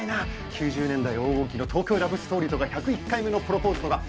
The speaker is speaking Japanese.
９０年代黄金期の『東京ラブストーリー』とか『１０１回目のプロポーズ』とか。